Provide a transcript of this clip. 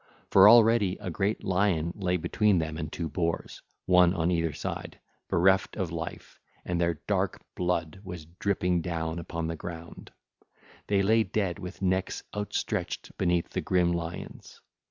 For already a great lion lay between them and two boars, one on either side, bereft of life, and their dark blood was dripping down upon the ground; they lay dead with necks outstretched beneath the grim lions.